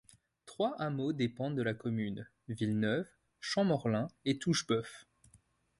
Trois hameaux dépendent de la commune, Villeneuve, Champmorlin et Toucheboeuf.